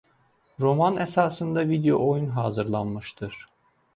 Roman əsasında video oyun hazırlanmışdır.